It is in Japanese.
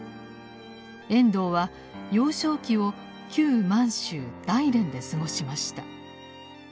遠藤は幼少期を旧満州・大連で過ごしました。